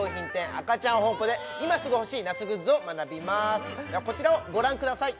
アカチャンホンポで今すぐ欲しい夏グッズを学びますではこちらをご覧ください